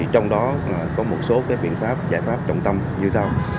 trong đó có một số biện pháp giải pháp trọng tâm như sau